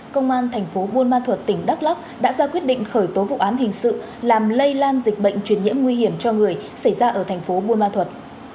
công an thành phố buôn ma thuật tỉnh đắk lắc đã ra quyết định khởi tố vụ án hình sự làm lây lan dịch bệnh truyền nhiễm nguy hiểm cho người xảy ra ở thành phố buôn ma thuật